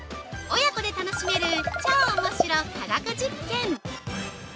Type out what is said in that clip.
親子で楽しめる超おもしろ科学実験！